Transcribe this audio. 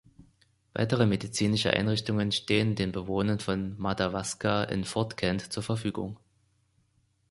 Weitere medizinische Einrichtungen stehen den Bewohnern von Madawaska in Fort Kent zu Verfügung.